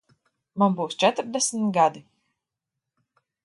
Man būs četrdesmit gadi.